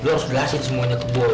lo harus jelasin semuanya ke bo